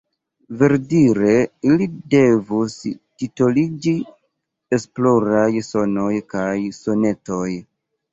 Verdire ili devus titoliĝi Esploraj sonoj kaj sonetoj.